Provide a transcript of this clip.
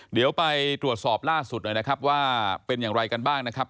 เดี๋ยวไปตรวจสอบล่าสุดหน่อยนะครับว่าเป็นอย่างไรกันบ้างนะครับ